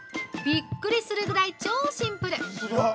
びっくりするぐらい超シンプル！